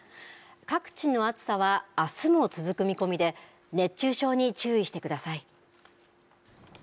各地の暑さはあすも続く見込みで熱中症に注意してください。